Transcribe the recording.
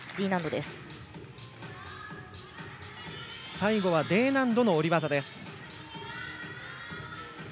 最後はＤ難度の下り技。